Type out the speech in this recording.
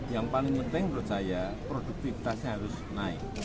yang paling penting menurut saya produktivitasnya harus naik